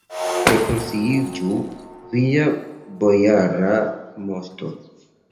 Rekonsciiĝu, via bojara moŝto!